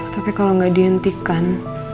tapi kalau gak dihentikan